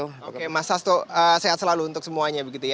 oke mas hasto sehat selalu untuk semuanya